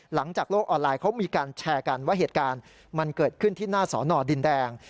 หลังจากโลกออนไลน์เขามีการแชร์กันว่าเหตุการณ์มันเกิดขึ้นที่หน้าสอนอดินแดง